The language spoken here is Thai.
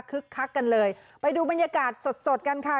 คักกันเลยไปดูบรรยากาศสดสดกันค่ะ